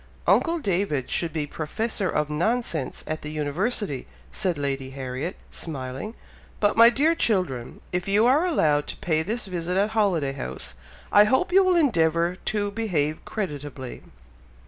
"Uncle David should be Professor of Nonsense at the University," said Lady Harriet, smiling. "But, my dear children, if you are allowed to pay this visit at Holiday House, I hope you will endeavour to behave creditably?"